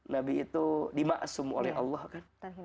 nabi itu dimaksum oleh allah kan